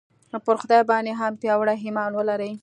پر خدای باندې هم پیاوړی ایمان ولرئ